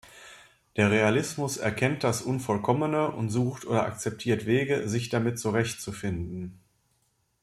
Der Realismus erkennt das Unvollkommene und sucht oder akzeptiert Wege, sich damit zurechtzufinden.